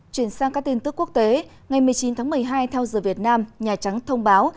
chuyển sang các tin tức quốc tế ngày một mươi chín tháng một mươi hai theo giờ việt nam nhà trắng thông báo